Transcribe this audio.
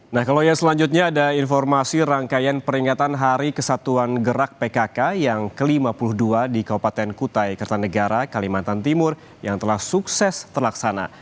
nah kalau yang selanjutnya ada informasi rangkaian peringatan hari kesatuan gerak pkk yang ke lima puluh dua di kabupaten kutai kertanegara kalimantan timur yang telah sukses terlaksana